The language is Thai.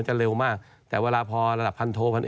เร็วมากแต่เวลาพอระดับพันโทพัน